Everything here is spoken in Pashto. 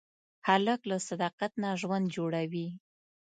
هلک له صداقت نه ژوند جوړوي.